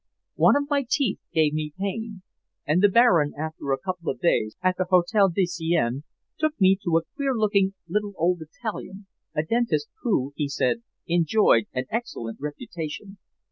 One of my teeth gave me pain, and the Baron, after a couple of days at the Hotel de Sienne, took me to a queer looking little old Italian a dentist who, he said, enjoyed an excellent reputation.